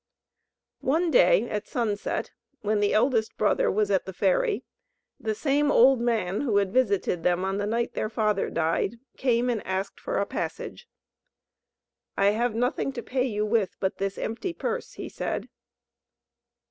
One day, at sunset, when the eldest brother was at the ferry the same old man, who had visited them on the night their father died, came, and asked for a passage. "I have nothing to pay you with, but this empty purse," he said.